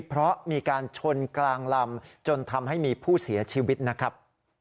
เพราะมีการชนกลางลำจนทำให้มีผู้เสียชีวิตนะครับ